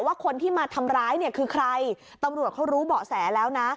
ว่าคนที่มาทำร้ายเนี่ยคือใครตำรวจเขารู้เบาะแสแล้วนะ